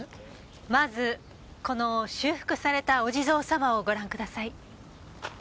まずこの修復されたお地蔵様をご覧ください。